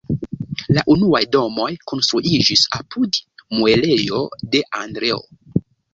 La unuaj domoj konstruiĝis apud muelejo de "Andreo".